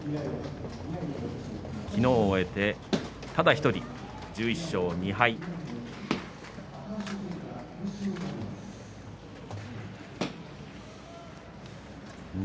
昨日を終えてただ１人１１勝２敗です。